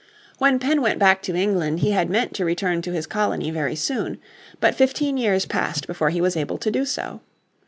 When Penn went back to England he had meant to return to his colony very soon. But fifteen years passed before be was able to do so.